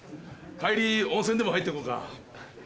帰り温泉でも入ってこうか。